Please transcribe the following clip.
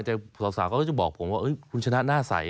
ทราบสาวก็จะบอกผมว่าเอ๊ยคุณชนะหน้าใสนะ